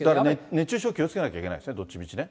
熱中症に気をつけなきゃいけないですよね、どっちみちね。